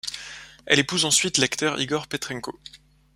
Elle épouse ensuite l'acteur Igor Petrenko.